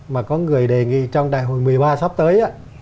mà có người đề nghị trong đại hội một mươi ba sắp tới á